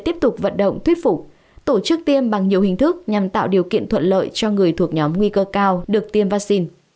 tổ chức tiêm bằng nhiều hình thức nhằm tạo điều kiện thuận lợi cho người thuộc nhóm nguy cơ cao được tiêm vaccine